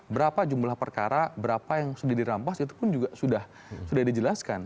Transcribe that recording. berapa jumlah perkara berapa yang sudah dirampas itu pun juga sudah dijelaskan